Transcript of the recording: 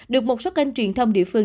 được một số kênh truyền thông địa phương